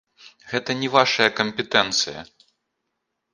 Гэта не вашая кампетэнцыя!